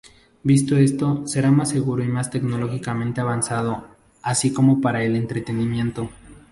Visto esto será más seguro y más tecnológicamente avanzado, así como para el entretenimiento.